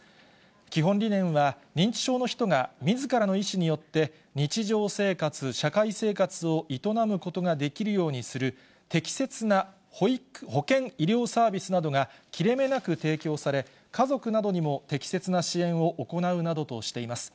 基本理念は認知症の人がみずからの意思によって日常生活、社会生活を営むことができるようにする、適切な保健医療サービスなどが切れ目なく提供され、家族などにも適切な支援を行うなどとしています。